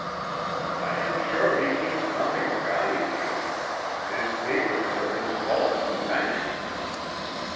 "I am sure he keeps nothing of value in it. His papers are in his vault at the bank."